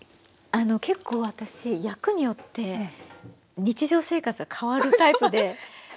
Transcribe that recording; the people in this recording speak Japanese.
あの結構私役によって日常生活が変わるタイプで。